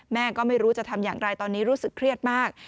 แม่ก็ไม่รู้จะทำอย่างไรตอนนี้รู้สึกเครียดมาก